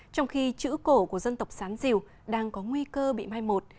trong khi chữ cổ của dân tộc sán diều đang có nguy cơ bị mai một